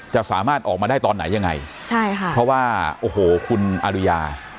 จะสามารถออกมาได้ตอนไหนยังไงใช่ค่ะเพราะว่าโอ้โหคุณอริยา